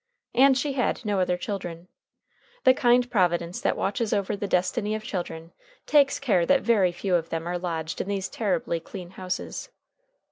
And she had no other children. The kind Providence that watches over the destiny of children takes care that very few of them are lodged in these terribly clean houses.